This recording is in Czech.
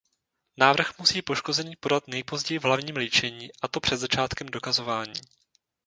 Návrh musí poškozený podat nejpozději v hlavním líčení a to před začátkem dokazování.